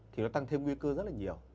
thì nó tăng thêm nguy cơ rất là nhiều